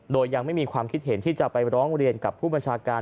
โดยยังไม่มีความคิดเห็นที่จะไปร้องเรียนกับผู้บัญชาการ